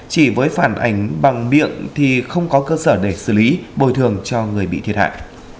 chỉ với phản ảnh bằng miệng thì không có cơ sở để xử lý bồi thường cho người bị thiệt hại